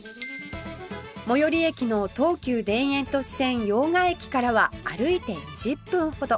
最寄り駅の東急田園都市線用賀駅からは歩いて２０分ほど